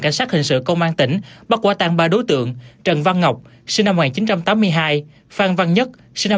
cảnh sát hình sự công an tỉnh bắt quả tan ba đối tượng trần văn ngọc phan văn nhất